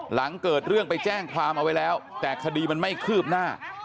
หลังเกิดเรื่องไปแจ้งความเอาไว้แล้วแต่คดีมันไม่คืบหน้า